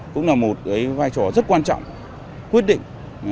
cũng là một vai trò rất quan trọng quyết định